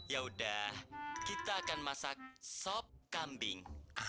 yaudah kita akan masak sop kambing